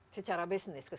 secara bisnis keseluruhan